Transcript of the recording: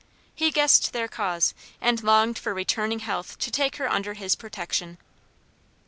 He guessed their cause, and longed for returning health to take her under his protection.